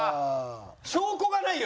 証拠がないよ！